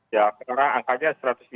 ya karena angkanya satu ratus tiga puluh satu